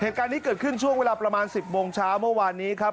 เหตุการณ์นี้เกิดขึ้นช่วงเวลาประมาณ๑๐โมงเช้าเมื่อวานนี้ครับ